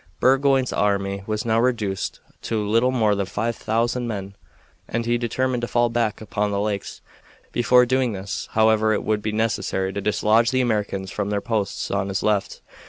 Burgoyne's army was now reduced to little more than five thousand men, and he determined to fall back upon the lakes. Before doing this, however, it would be necessary to dislodge the Americans from their posts on his left.